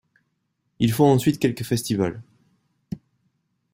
Ils font ensuite quelques festivals.